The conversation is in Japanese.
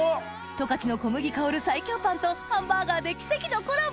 十勝の小麦香る最強パンとハンバーガーで奇跡のコラボ